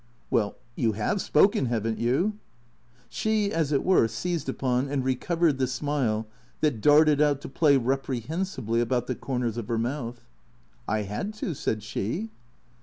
" Well, you have spoken, have n't you ?" She, as it were, seized upon and recovered the smile that darted out to play reprehensibly about the corners of her mouth. " I had to," said she.